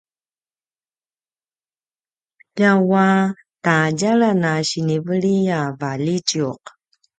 ljawua tadjalan a siniveli a valjitjuq